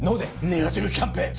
ネガティブキャンペーン！